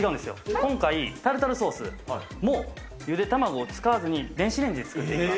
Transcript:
今回、タルタルソースもゆで卵を使わずに電子レンジで作っていきます。